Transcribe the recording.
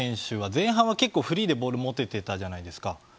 前半は結構フリーでボール持てていたじゃないですか。